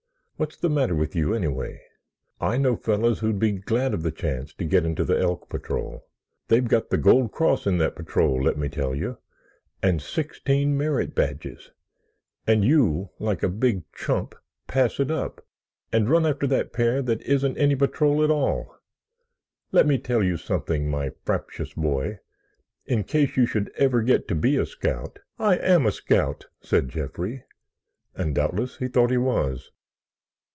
What's the matter with you, anyway? I know fellows who'd be glad of the chance to get into the Elk Patrol. They've got the gold cross in that patrol, let me tell you—and sixteen merit badges! And you, like a big chump, pass it up, and run after that pair that isn't any patrol at all! Let me tell you something, my fraptious boy, in case you should ever get to be a scout——" "I am a scout," said Jeffrey, and doubtless he thought he was.